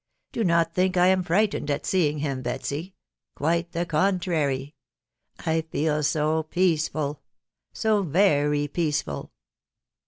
••• Do not think I am frightened at seeing him, Betsy ; quite the contrary. ••. I feel so peaceful so very peaceful.